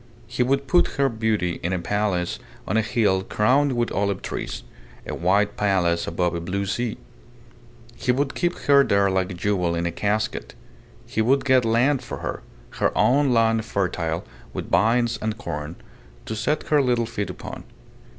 He would put her beauty in a palace on a hill crowned with olive trees a white palace above a blue sea. He would keep her there like a jewel in a casket. He would get land for her her own land fertile with vines and corn to set her little feet upon.